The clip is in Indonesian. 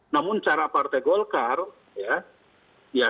namun cara partai golkar ya